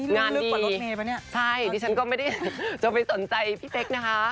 งานดีใช่ดิฉันก็ไม่ได้จะไปสนใจพี่เต๊กนะคะ